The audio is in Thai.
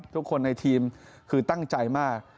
ทุกคนในทีมคือตั้งใจมาก